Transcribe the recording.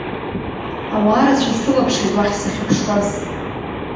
Ауаа рацәа срылаԥшит уахь, сахьыԥшуаз.